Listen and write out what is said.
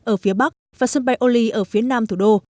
ở phía bắc và sân bay oli ở phía nam thủ đô